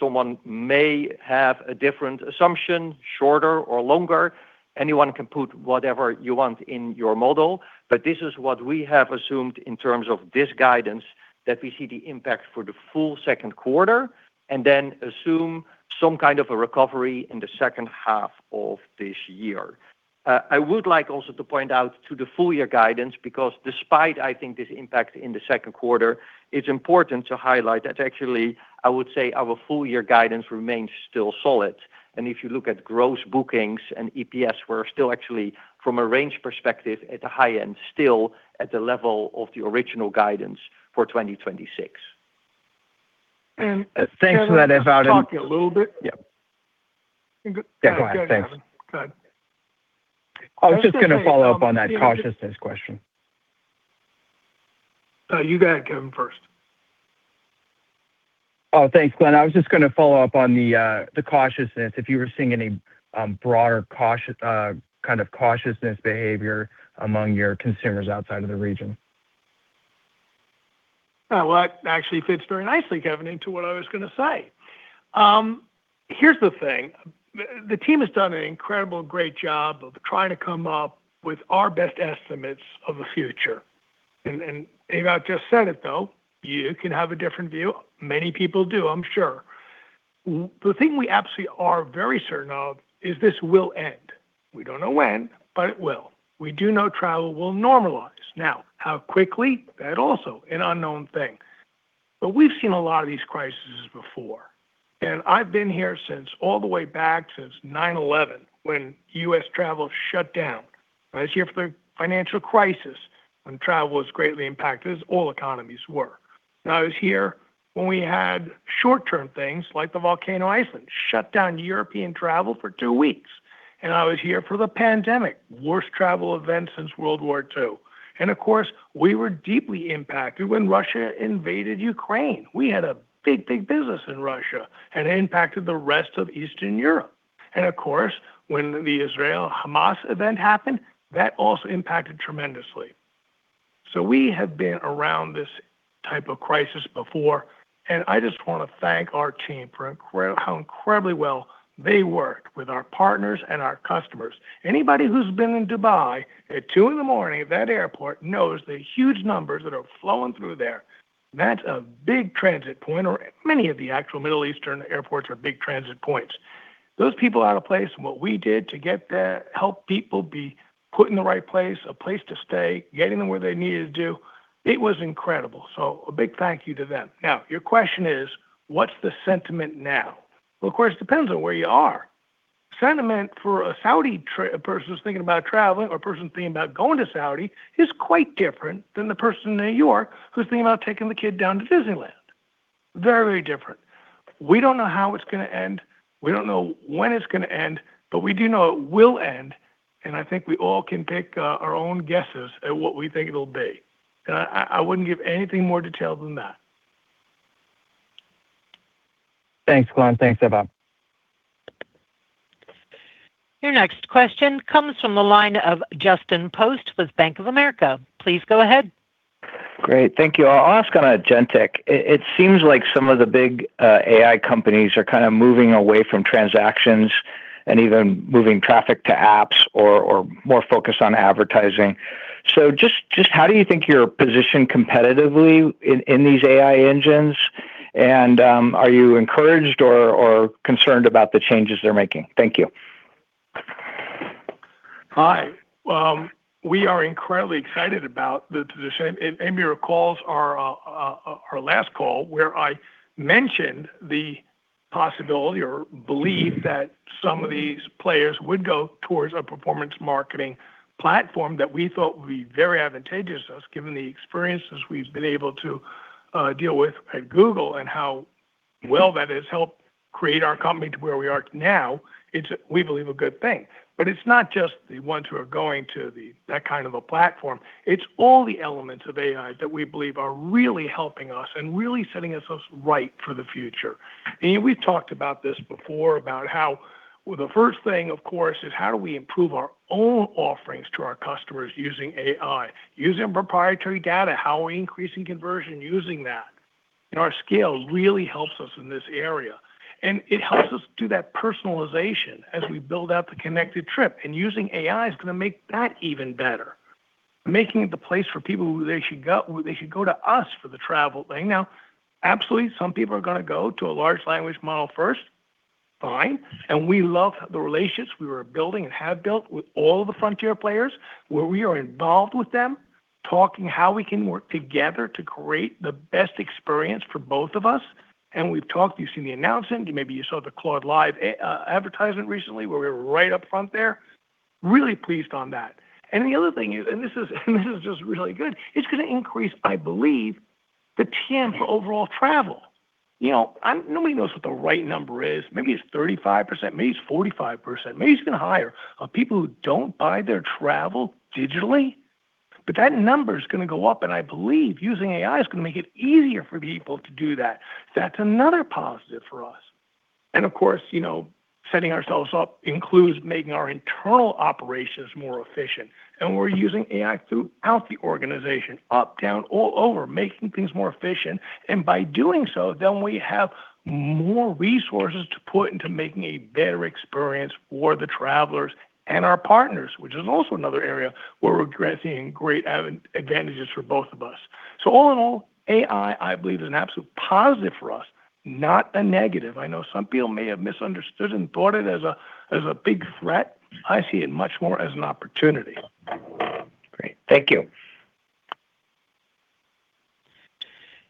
Someone may have a different assumption, shorter or longer. Anyone can put whatever you want in your model, but this is what we have assumed in terms of this guidance, that we see the impact for the full second quarter, and then assume some kind of a recovery in the second half of this year. I would like also to point out to the full year guidance, because despite, I think, this impact in the second quarter, it's important to highlight that actually, I would say our full year guidance remains still solid. If you look at gross bookings and EPS, we're still actually, from a range perspective, at the high end still at the level of the original guidance for 2026. Kevin. Thanks for that, Ewout. Can I talk to you a little bit? Yeah. Yeah, go ahead. Thanks. Go ahead, Kevin. I was just gonna follow up on that cautiousness question. You go ahead, Kevin, first. Thanks, Glenn. I was just gonna follow up on the cautiousness, if you were seeing any broader kind of cautiousness behavior among your consumers outside of the region? Well, that actually fits very nicely, Kevin, into what I was gonna say. Here's the thing. The team has done an incredible, great job of trying to come up with our best estimates of the future. Ewout just said it though, you can have a different view. Many people do, I'm sure. The thing we absolutely are very certain of is this will end. We don't know when, but it will. We do know travel will normalize. Now, how quickly? That is also an unknown thing. We've seen a lot of these crises before, and I've been here since all the way back since 9/11 when U.S. travel shut down. I was here for the financial crisis when travel was greatly impacted, as all economies were. I was here when we had short-term things like the volcano in Iceland shut down European travel for two weeks. I was here for the pandemic, worst travel event since World War II. We were deeply impacted when Russia invaded Ukraine. We had a big, big business in Russia, and it impacted the rest of Eastern Europe. When the Israel-Hamas event happened, that also impacted tremendously. We have been around this type of crisis before. I just want to thank our team for how incredibly well they worked with our partners and our customers. Anybody who's been in Dubai at 2:00 A.M. at that airport knows the huge numbers that are flowing through there. That's a big transit point or many of the actual Middle Eastern airports are big transit points. Those people out of place and what we did to get there, help people be put in the right place, a place to stay, getting them where they needed to do, it was incredible. A big thank you to them. Now, your question is, what's the sentiment now? Well, of course, it depends on where you are. Sentiment for a Saudi, a person who's thinking about traveling or a person thinking about going to Saudi is quite different than the person in New York who's thinking about taking the kid down to Disneyland. Very different. We don't know how it's gonna end. We don't know when it's gonna end, but we do know it will end, and I think we all can take our own guesses at what we think it'll be. I wouldn't give anything more detail than that. Thanks, Glenn. Thanks, Ewout. Your next question comes from the line of Justin Post with Bank of America. Please go ahead. Great. Thank you. I'll ask on agentic. It seems like some of the big AI companies are kinda moving away from transactions and even moving traffic to apps or more focused on advertising. Just how do you think you're positioned competitively in these AI engines? Are you encouraged or concerned about the changes they're making? Thank you. Hi. We are incredibly excited about the position. If Amy recalls our last call where I mentioned the possibility or belief that some of these players would go towards a performance marketing platform that we thought would be very advantageous to us, given the experiences we've been able to deal with at Google and how well that has helped create our company to where we are now, it's, we believe, a good thing. It's not just the ones who are going to that kind of a platform. It's all the elements of AI that we believe are really helping us and really setting us up right for the future. We've talked about this before, about how. Well, the first thing, of course, is how do we improve our own offerings to our customers using AI, using proprietary data, how we're increasing conversion using that. Our scale really helps us in this area. It helps us do that personalization as we build out the Connected Trip. Using AI is going to make that even better, making it the place for people where they should go, where they should go to us for the travel thing. Now, absolutely, some people are going to go to a large language model first. Fine. We love the relationships we were building and have built with all the frontier players, where we are involved with them, talking how we can work together to create the best experience for both of us. We've talked, you've seen the announcement, maybe you saw the Cloud Live advertisement recently where we were right up front there. Really pleased on that. The other thing is, this is just really good, it's gonna increase, I believe, the TAM for overall travel. You know, nobody knows what the right number is. Maybe it's 35%, maybe it's 45%, maybe it's even higher of people who don't buy their travel digitally, that number's gonna go up, and I believe using AI is gonna make it easier for people to do that. That's another positive for us. Of course, you know, setting ourselves up includes making our internal operations more efficient, and we're using AI throughout the organization, uptown, all over, making things more efficient. By doing so, we have more resources to put into making a better experience for the travelers and our partners, which is also another area where we're seeing great advantages for both of us. All in all, AI, I believe, is an absolute positive for us, not a negative. I know some people may have misunderstood and thought it as a big threat. I see it much more as an opportunity. Great. Thank you.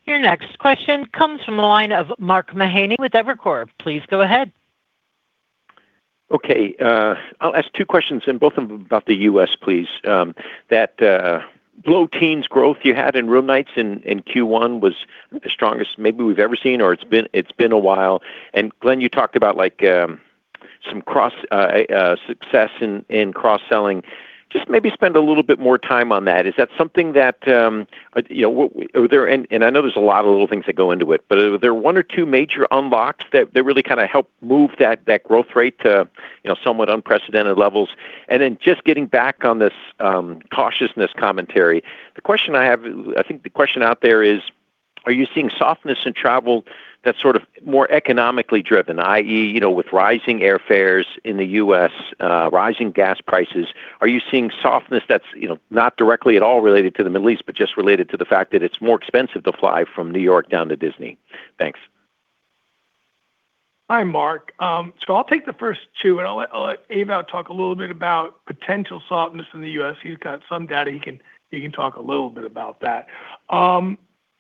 Your next question comes from the line of Mark Mahaney with Evercore. Please go ahead. Okay. I'll ask two questions and both of them about the U.S., please. That low teens growth you had in room nights in Q1 was the strongest maybe we've ever seen, or it's been a while. Glenn, you talked about like some success in cross-selling. Just maybe spend a little bit more time on that. Is that something that, you know, I know there's a lot of little things that go into it, but are there one or two major unlocks that really kinda help move that growth rate to, you know, somewhat unprecedented levels? Then just getting back on this, cautiousness commentary. The question I have, I think the question out there is, are you seeing softness in travel that's sort of more economically driven, i.e., you know, with rising airfares in the U.S., rising gas prices? Are you seeing softness that's, you know, not directly at all related to the Middle East, but just related to the fact that it's more expensive to fly from New York down to Disney? Thanks. Hi, Mark. I'll take the first two, and I'll let Ewout talk a little bit about potential softness in the U.S. He's got some data. He can talk a little bit about that.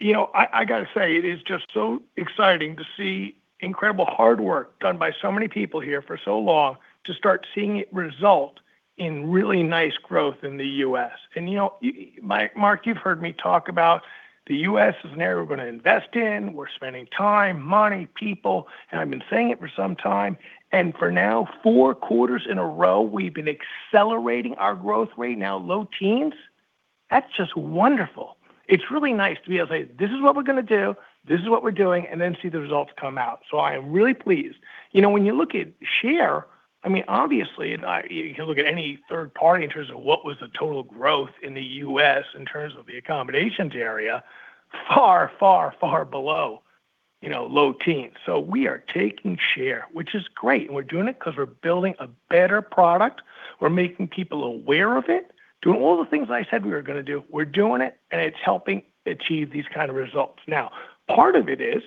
You know, I gotta say, it is just so exciting to see incredible hard work done by so many people here for so long to start seeing it result in really nice growth in the U.S. You know, Mark, you've heard me talk about the U.S. is an area we're gonna invest in. We're spending time, money, people, and I've been saying it for some time. For now, four quarters in a row, we've been accelerating our growth rate now low teens. That's just wonderful. It's really nice to be able to say, "This is what we're gonna do. This is what we're doing," and then see the results come out. I am really pleased. You know, when you look at share, I mean, obviously. You can look at any third party in terms of what was the total growth in the U.S. in terms of the accommodations area, far, far, far below, you know, low teens. We are taking share, which is great, and we're doing it ’cause we're building a better product. We're making people aware of it, doing all the things I said we were gonna do. We're doing it, and it's helping achieve these kind of results. Now, part of it is,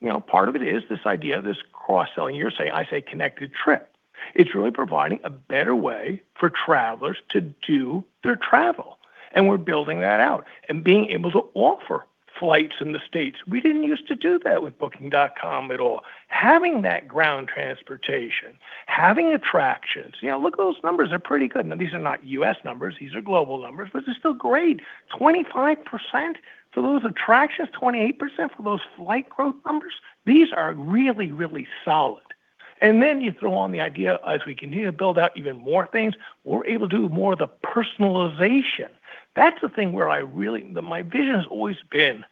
you know, part of it is this idea, this cross-selling. You say, I say Connected Trip. It's really providing a better way for travelers to do their travel. We're building that out and being able to offer flights in the States. We didn't use to do that with Booking.com at all. Having that ground transportation, having attractions. You know, look at those numbers. They're pretty good. These are not U.S. numbers. These are global numbers. They're still great. 25% for those attractions, 28% for those flight growth numbers. These are really, really solid. Then you throw on the idea as we continue to build out even more things, we're able to do more of the personalization. That's the thing where My vision has always been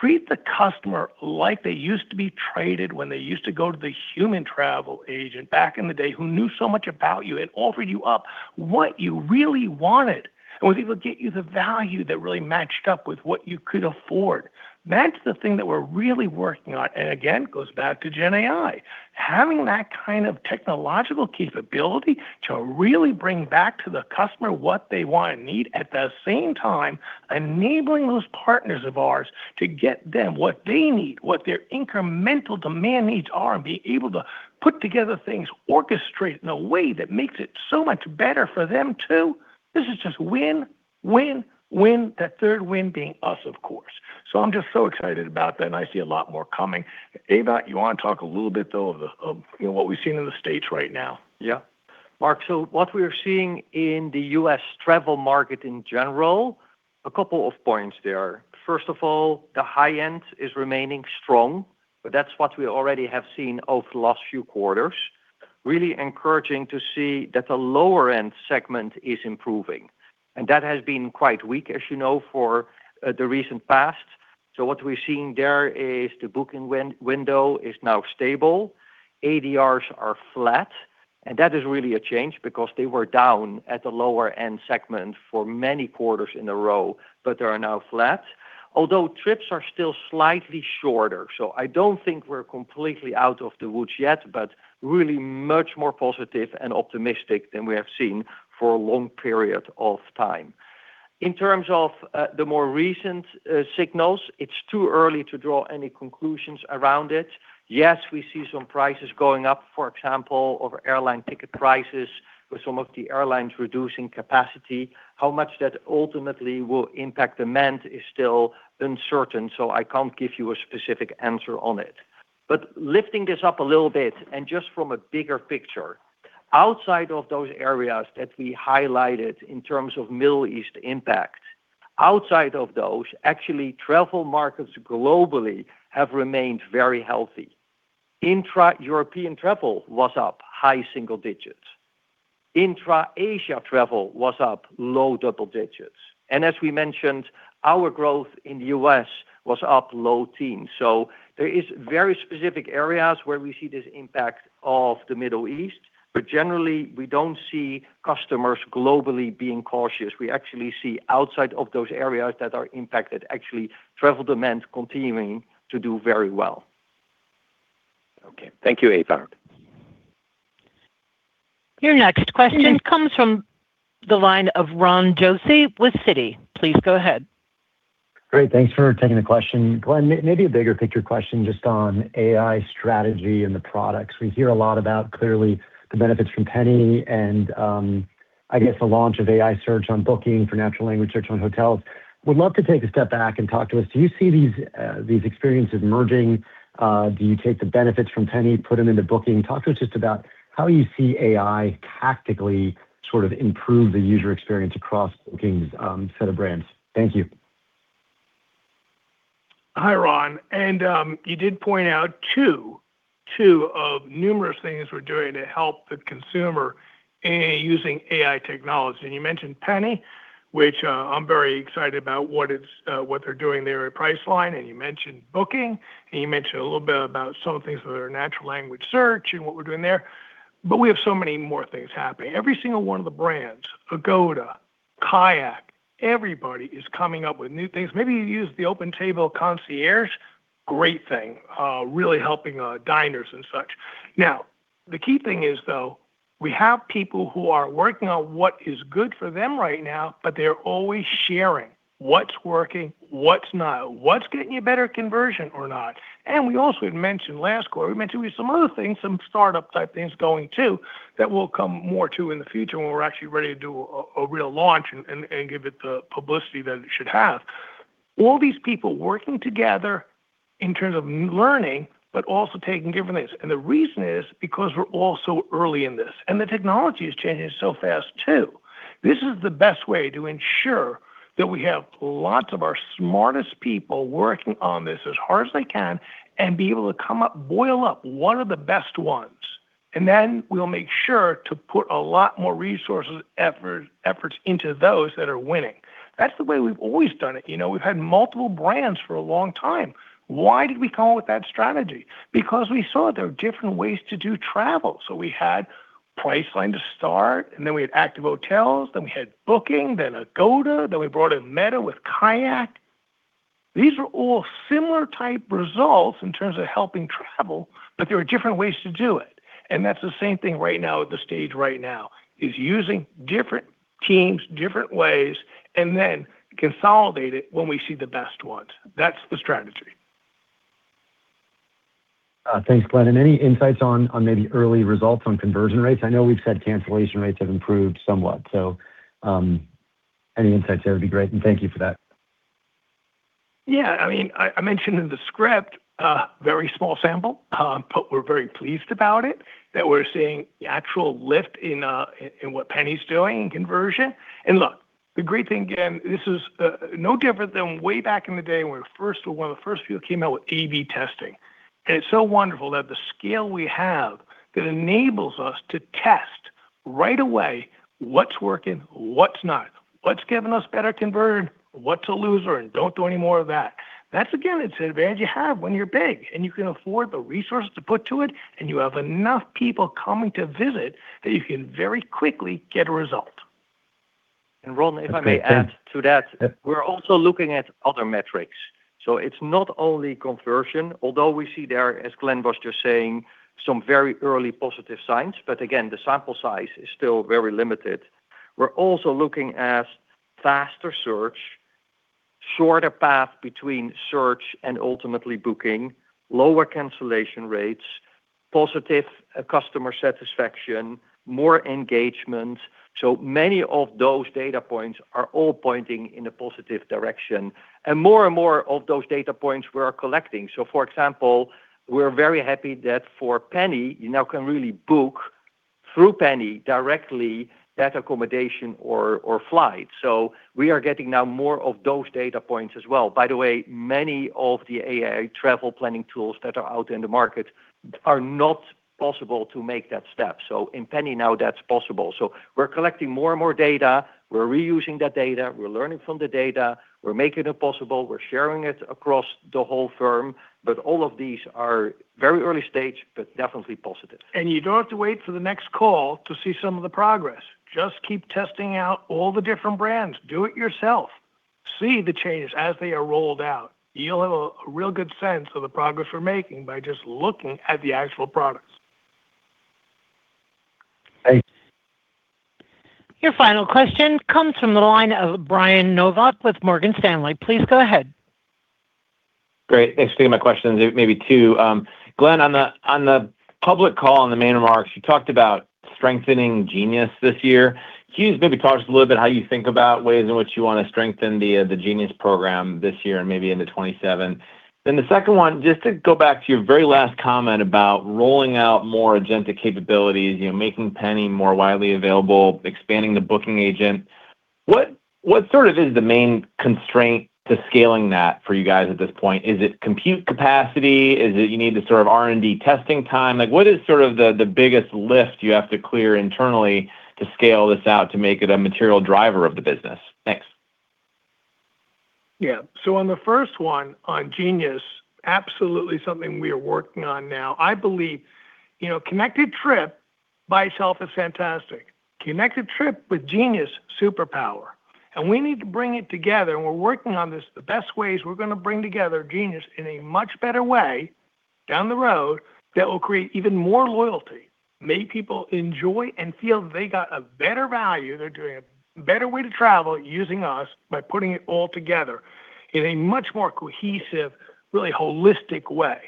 treat the customer like they used to be treated when they used to go to the human travel agent back in the day who knew so much about you and offered you up what you really wanted and was able to get you the value that really matched up with what you could afford. That's the thing that we're really working on. Again, goes back to GenAI. Having that kind of technological capability to really bring back to the customer what they want and need. At the same time, enabling those partners of ours to get them what they need, what their incremental demand needs are. Be able to put together things, orchestrate in a way that makes it so much better for them too. This is just win, win, win. That third win being us, of course. I'm just so excited about that, and I see a lot more coming. Ewout, you wanna talk a little bit, though, of the, you know, what we've seen in the states right now? Mark, what we are seeing in the U.S. travel market in general, a couple of points there. First of all, the high end is remaining strong, but that's what we already have seen over the last few quarters. Really encouraging to see that the lower end segment is improving, and that has been quite weak, as you know, for the recent past. What we're seeing there is the booking window is now stable. ADRs are flat, and that is really a change because they were down at the lower end segment for many quarters in a row, but they are now flat. Although trips are still slightly shorter, so I don't think we're completely out of the woods yet, but really much more positive and optimistic than we have seen for a long period of time. In terms of the more recent signals, it's too early to draw any conclusions around it. Yes, we see some prices going up, for example, over airline ticket prices, with some of the airlines reducing capacity. How much that ultimately will impact demand is still uncertain, so I can't give you a specific answer on it. Lifting this up a little bit and just from a bigger picture, outside of those areas that we highlighted in terms of Middle East impact, outside of those, actually travel markets globally have remained very healthy. Intra-European travel was up high single-digits. Intra-Asia travel was up low double digits. As we mentioned, our growth in the U.S. was up low teens. There is very specific areas where we see this impact of the Middle East, but generally, we don't see customers globally being cautious. We actually see outside of those areas that are impacted, actually travel demand continuing to do very well. Okay. Thank you, Ewout. Your next question comes from the line of Ron Josey with Citi. Please go ahead. Great. Thanks for taking the question. Glenn, maybe a bigger picture question just on AI strategy and the products. We hear a lot about clearly the benefits from Penny and, I guess the launch of AI search on Booking.com for natural language search on hotels. Would love to take a step back and talk to us. Do you see these experiences merging? Do you take the benefits from Penny, put them into Booking.com? Talk to us just about how you see AI tactically sort of improve the user experience across Booking's set of brands. Thank you. Hi, Ron. You did point out two of numerous things we're doing to help the consumer using AI technology. You mentioned Penny, which I'm very excited about what it's, what they're doing there at Priceline, and you mentioned Booking, and you mentioned a little bit about some of the things that are natural language search and what we're doing there. We have so many more things happening. Every single one of the brands, Agoda, KAYAK, everybody is coming up with new things. Maybe you use the OpenTable Concierge, great thing, really helping diners and such. The key thing is though, we have people who are working on what is good for them right now, but they're always sharing what's working, what's not, what's getting you better conversion or not. We also had mentioned last quarter, we mentioned we have some other things, some startup-type things going too that we'll come more to in the future when we're actually ready to do a real launch and give it the publicity that it should have. All these people working together in terms of learning but also taking different things. The reason is because we're all so early in this, and the technology is changing so fast too. This is the best way to ensure that we have lots of our smartest people working on this as hard as they can and be able to come up, boil up what are the best ones. Then we'll make sure to put a lot more resources, efforts into those that are winning. That's the way we've always done it. You know, we've had multiple brands for a long time. Why did we come up with that strategy? We saw there are different ways to do travel. We had Priceline to start, and then we had Active Hotels, then we had Booking, then Agoda, then we brought in Meta with KAYAK. These are all similar type results in terms of helping travel, but there are different ways to do it, and that's the same thing right now at this stage right now is using different teams, different ways, and then consolidate it when we see the best ones. That's the strategy. Thanks, Glenn. Any insights on maybe early results on conversion rates? I know we've said cancellation rates have improved somewhat, so any insights there would be great, and thank you for that. Yeah. I mean, I mentioned in the script, very small sample, we're very pleased about it, that we're seeing the actual lift in what Penny's doing in conversion. Look, the great thing, again, this is no different than way back in the day when we were one of the first few who came out with A/B testing. It's so wonderful that the scale we have that enables us to test right away what's working, what's not, what's giving us better conversion, what's a loser, and don't do any more of that. That's, again, it's an advantage you have when you're big, you can afford the resources to put to it, you have enough people coming to visit that you can very quickly get a result. Ron, if I may add to that. Yeah. We're also looking at other metrics. It's not only conversion, although we see there, as Glenn was just saying, some very early positive signs. Again, the sample size is still very limited. We're also looking at faster search, shorter path between search and ultimately booking, lower cancellation rates, positive customer satisfaction, more engagement. Many of those data points are all pointing in a positive direction. More and more of those data points we are collecting. For example, we're very happy that for Penny, you now can really book through Penny directly that accommodation or flight. We are getting now more of those data points as well. By the way, many of the AI travel planning tools that are out in the market are not possible to make that step. In Penny now, that's possible. We're collecting more and more data. We're reusing that data. We're learning from the data. We're making it possible. We're sharing it across the whole firm. All of these are very early stage, but definitely positive. You don't have to wait for the next call to see some of the progress. Just keep testing out all the different brands. Do it yourself. See the changes as they are rolled out. You'll have a real good sense of the progress we're making by just looking at the actual products. Thanks. Your final question comes from the line of Brian Nowak with Morgan Stanley. Please go ahead. Great. Thanks for taking my questions. It may be two. Glenn, on the public call, on the main remarks, you talked about strengthening Genius this year. Can you maybe talk to us a little bit how you want to strengthen the Genius program this year and maybe into 2027? The second one, just to go back to your very last comment about rolling out more agentic capabilities, you know, making Penny more widely available, expanding the booking agent. What sort of is the main constraint to scaling that for you guys at this point? Is it compute capacity? Is it you need the sort of R&D testing time? Like, what is sort of the biggest lift you have to clear internally to scale this out to make it a material driver of the business? Thanks. Yeah. On the first one, on Genius, absolutely something we are working on now. I believe, you know, Connected Trip by itself is fantastic. Connected Trip with Genius, superpower. We need to bring it together, and we're working on this. The best ways we're gonna bring together Genius in a much better way down the road that will create even more loyalty, make people enjoy and feel they got a better value, they're doing a better way to travel using us by putting it all together in a much more cohesive, really holistic way.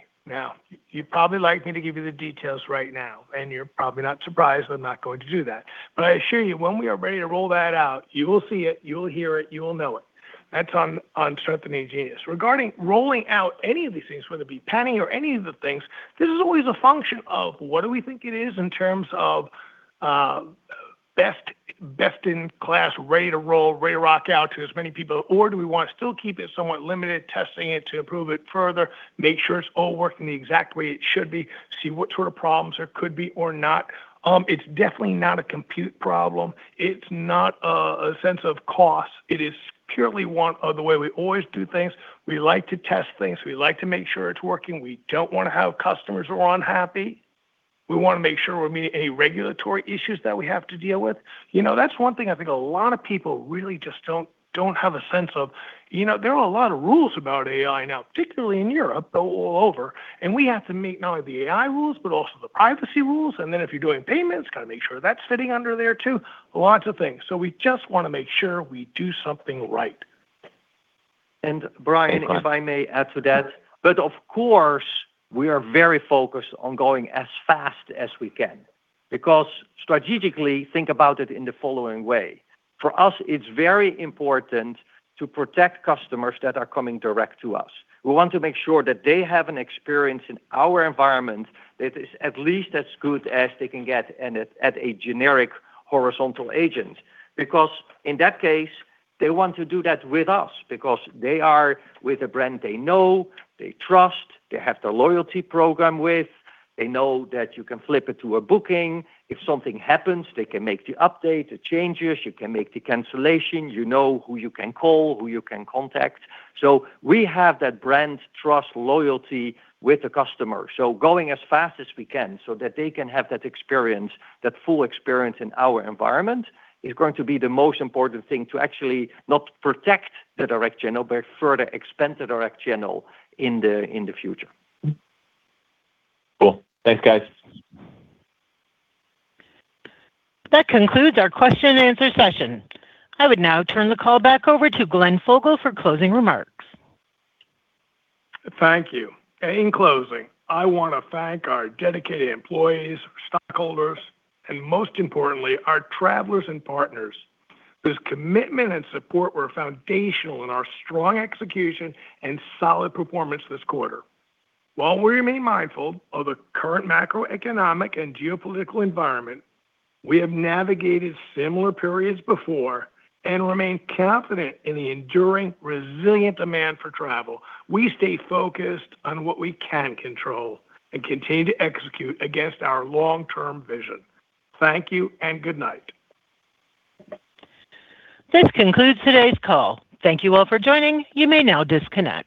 You'd probably like me to give you the details right now, and you're probably not surprised I'm not going to do that. I assure you, when we are ready to roll that out, you will see it, you will hear it, you will know it. That's on strengthening Genius. Regarding rolling out any of these things, whether it be Penny or any of the things, this is always a function of what do we think it is in terms of best-in-class, ready to roll, ready to rock out to as many people? Or do we want to still keep it somewhat limited, testing it to improve it further, make sure it's all working the exact way it should be, see what sort of problems there could be or not? It's definitely not a compute problem. It's not a sense of cost. It is purely one of the way we always do things. We like to test things. We like to make sure it's working. We don't wanna have customers who are unhappy. We wanna make sure we're meeting any regulatory issues that we have to deal with. You know, that's one thing I think a lot of people really just don't have a sense of. You know, there are a lot of rules about AI now, particularly in Europe, though all over, and we have to meet not only the AI rules, but also the privacy rules, and then if you're doing payments, gotta make sure that's fitting under there too. Lots of things. We just wanna make sure we do something right. Brian. Okay If I may add to that. Of course, we are very focused on going as fast as we can because strategically, think about it in the following way. For us, it's very important to protect customers that are coming direct to us. We want to make sure that they have an experience in our environment that is at least as good as they can get at a generic horizontal agent. In that case, they want to do that with us because they are with a brand they know, they trust, they have the loyalty program with. They know that you can flip it to a booking. If something happens, they can make the update, the changes. You can make the cancellation. You know who you can call, who you can contact. We have that brand trust, loyalty with the customer. Going as fast as we can so that they can have that experience, that full experience in our environment, is going to be the most important thing to actually not protect the direct channel, but further expand the direct channel in the, in the future. Cool. Thanks, guys. That concludes our question-and-answer session. I would now turn the call back over to Glenn Fogel for closing remarks. Thank you. In closing, I wanna thank our dedicated employees, stockholders, and most importantly, our travelers and partners whose commitment and support were foundational in our strong execution and solid performance this quarter. While we remain mindful of the current macroeconomic and geopolitical environment, we have navigated similar periods before and remain confident in the enduring resilient demand for travel. We stay focused on what we can control and continue to execute against our long-term vision. Thank you and good night. This concludes today's call. Thank you all for joining. You may now disconnect.